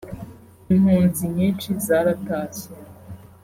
impunzi nyinshi zaratashye